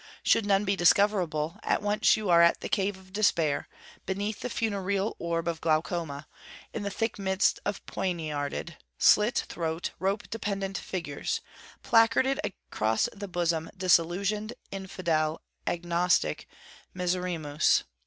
Should none be discoverable, at once you are at the Cave of Despair, beneath the funereal orb of Glaucoma, in the thick midst of poniarded, slit throat, rope dependant figures, placarded across the bosom Disillusioned, Infidel, Agnostic, Miserrimus.